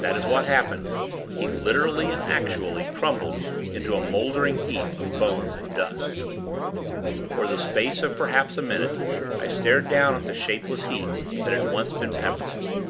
That is what happened; he literally and actually crumbled into a mouldering heap of bones and dust. For the space of, perhaps a minute, I stared down at the shapeless heap, that had once been Pepper.